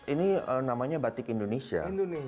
ini namanya batik indonesia